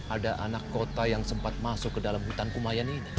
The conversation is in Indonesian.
ada anak kota yang sempat masuk ke dalam hutan kumayan ini